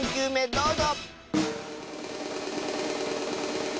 どうぞ！